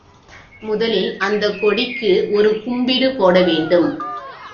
முதலில் அந்தக் கொடிக்கு ஒரு கும்பிடு போட வேண்டும்.